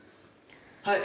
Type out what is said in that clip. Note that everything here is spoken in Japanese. はい！